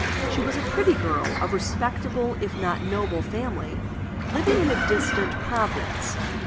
She was a pretty girl, of respectable, if not noble family, living in a distant province.